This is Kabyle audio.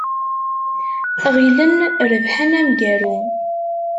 Ɣilen rebḥen amgaru.